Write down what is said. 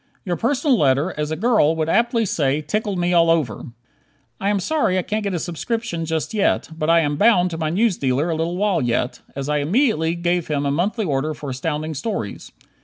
Your personal letter, as a girl would aptly say, "tickled me all over." I am sorry I can't get a subscription just yet, but I am "bound" to my newsdealer a little while yet, as I immediately gave him a monthly order for Astounding Stories.